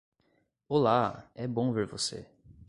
Olá! É bom ver você!